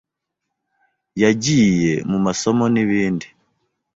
yagiye mu masomo n’ibindi